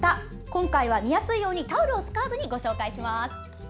今回は見やすいようにタオルを使わずにご紹介します。